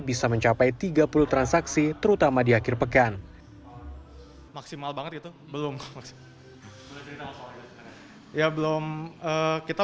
bisa mencapai tiga puluh transaksi terutama di akhir pekan maksimal banget itu belum maksimal ya belum kita